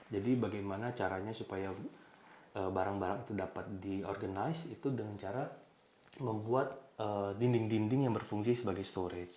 jadi bagaimana caranya supaya barang barang itu dapat diorganize itu dengan cara membuat dinding dinding yang berfungsi sebagai storage